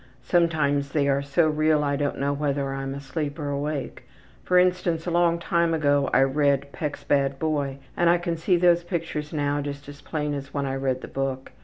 Sometimes they are so real I don't know whether I'm asleep or awake. For instance, a long time ago I read Peck's Bad Boy and I can see those pictures now just as plain as when I read the book.